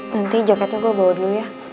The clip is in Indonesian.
nanti jaketnya gue bawa dulu ya